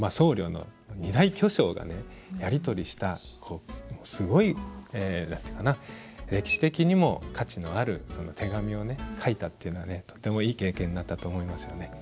やり取りしたすごい歴史的にも価値のある手紙を書いたというのはとてもいい経験になったと思いますよね。